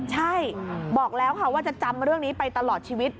ใช่บอกแล้วค่ะว่าจะจำเรื่องนี้ไปตลอดชีวิต